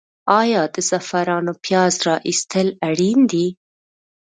آیا د زعفرانو پیاز را ایستل اړین دي؟